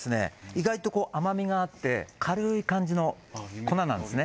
意外とこう甘みがあって軽い感じの粉なんですね